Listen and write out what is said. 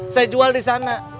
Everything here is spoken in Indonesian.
saya jual disana